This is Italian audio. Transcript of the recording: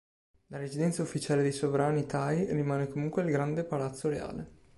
La residenza ufficiale dei sovrani thai rimane comunque il Grande Palazzo Reale.